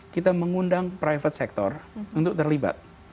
kita mengundang private sector untuk terlibat